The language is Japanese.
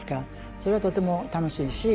それはとても楽しいし。